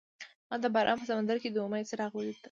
هغه د باران په سمندر کې د امید څراغ ولید.